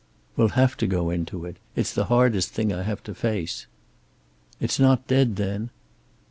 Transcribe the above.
"We'll have to go into it. It's the hardest thing I have to face." "It's not dead, then?"